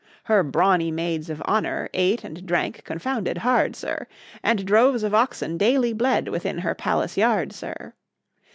Her brawny maids of honour ate and drank confounded hard, sir, And droves of oxen daily bled within her palace yard, sir!